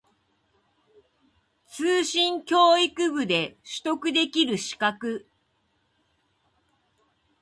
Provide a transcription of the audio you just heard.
通信教育部で取得できる資格